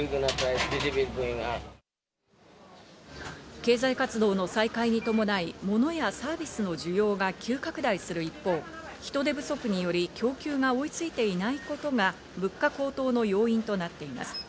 経済活動の再開に伴い、モノやサービスの需要が急拡大する一方、人手不足により供給が追いついていないことが物価高騰の要因となっています。